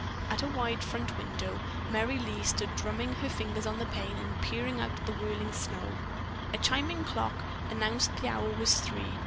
At a wide front window, Merry Lee stood drumming her fingers on the pane and peering out at the whirling snow. A chiming clock announced that the hour was three.